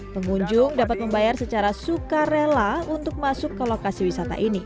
pengunjung dapat membayar secara suka rela untuk masuk ke lokasi wisata